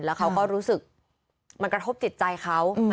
แล้วเขาก็รู้สึกมันกระทบจิตใจเขา